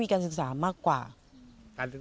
ไม่อยากให้มองแบบนั้นจบดราม่าสักทีได้ไหม